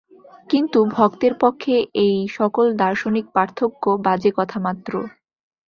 কিন্তু ভক্তের পক্ষে এই-সকল দার্শনিক পার্থক্য বাজে কথা মাত্র।